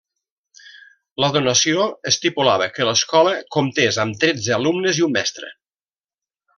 La donació estipulava que l'escola comptés amb tretze alumnes i un mestre.